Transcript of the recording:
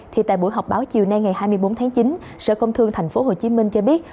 thì tại buổi họp báo chiều nay ngày hai mươi bốn tháng chín sở công thương thành phố hồ chí minh cho biết